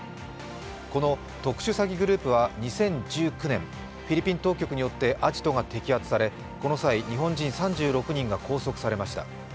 この特殊詐欺グループは２０１９年、フィリピン当局によってアジトが摘発されこの際、日本人３６人が拘束されました。